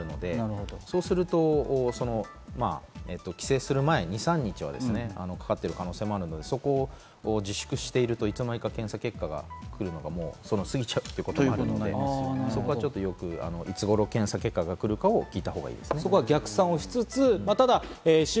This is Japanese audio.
そうすると帰省する前、２３日はたってる可能性もあるので、そこを自粛してると、いつの間にか検査結果が来るのが過ぎちゃうということもあるので、いつごろ検査結果が来るかを聞いたほうがいいですね。